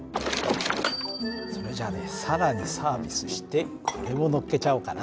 それじゃあね更にサービスしてこれものっけちゃおうかな。